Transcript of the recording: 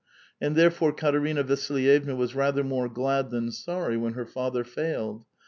And therefore Katerina Vasilyevna was rather more glad than sorry when her father failed.